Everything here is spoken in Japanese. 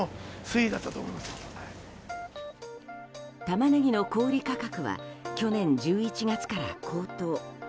タマネギの小売価格は去年１１月から高騰。